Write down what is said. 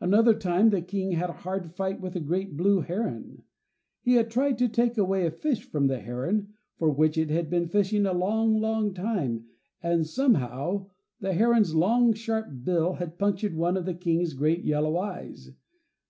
Another time the King had a hard fight with a great blue heron. He had tried to take away a fish from the heron for which it had been fishing a long, long time, and somehow the heron's long, sharp bill had punctured one of the King's great, yellow eyes.